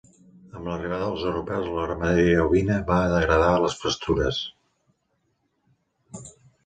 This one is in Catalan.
Amb l'arribada dels europeus la ramaderia ovina va degradar les pastures.